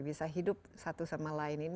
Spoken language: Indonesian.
bisa hidup satu sama lain ini